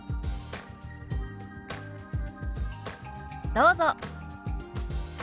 どうぞ。